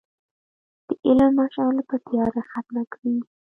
د علم مشعل به تیاره ختمه کړي.